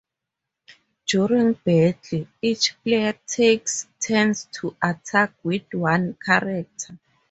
During battle, each player takes turns to attack with one character.